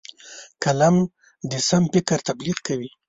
قلم د سم فکر تبلیغ کوي